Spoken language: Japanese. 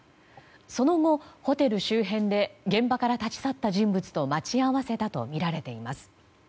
その後、ホテル周辺で現場から立ち去った人物と待ち合わせたとみられています。